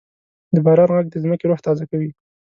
د باران ږغ د ځمکې روح تازه کوي.